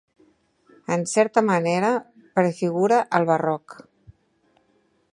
En certa manera prefigura el barroc.